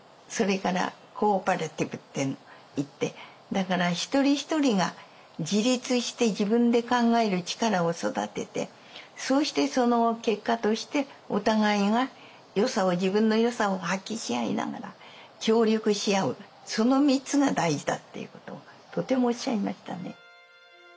だから一人一人が自立して自分で考える力を育ててそうしてその結果としてお互いが自分のよさを発揮し合いながら協力し合うその３つが大事だっていうことをとてもおっしゃいましたね。